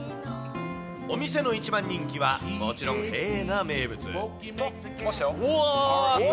お店の一番人気は、もちろん、へぇな名物。来ましたよ。